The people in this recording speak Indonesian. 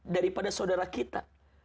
daripada saudara kita